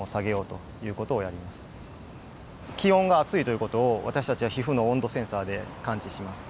気温が暑いという事を私たちは皮膚の温度センサーで感知します。